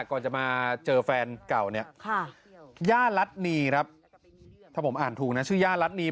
ก่อนจะมาเจอแฟนเก่าย่ารัฐนีย์ถ้าผมอ่านถูกชื่อย่ารัฐนีย์